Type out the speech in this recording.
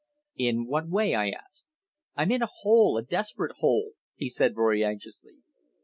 "In what way?" I asked. "I'm in a hole a desperate hole," he said very anxiously.